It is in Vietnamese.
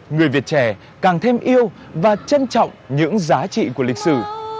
người việt trẻ càng thêm yêu và trân trọng những giá trị của lịch sử